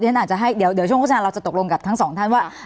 ฉันอาจจะให้เดี๋ยวช่วงโฆษณาเราจะตกลงกับทั้งสองท่านว่า